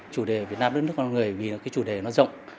chủ đề việt nam đất nước con người vì là cái chủ đề nó rộng